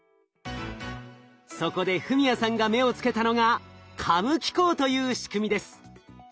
そこで史哉さんが目をつけたのがカム機構という仕組みです。